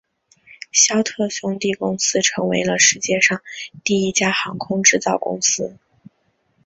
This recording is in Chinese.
肖特兄弟公司成为了世界上第一家航空制造公司。